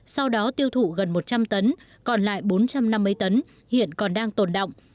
sau đó tiêu thụ gần một trăm linh tấn còn lại bốn trăm năm mươi tấn hiện còn đang tồn động